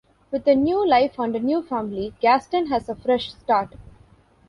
With a new life and a new family, Gaston has a fresh start.